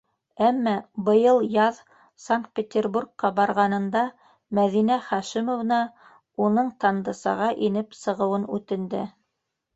Әммә быйыл яҙ Санкт Петербургка барғанында Мәҙинә Хашимовна уның Тандысаға инеп сығыуын үтенде.